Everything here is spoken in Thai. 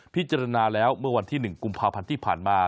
พิจารณาแล้วเมื่อวันที่๑กุมภาพันธ์ที่ผ่านมา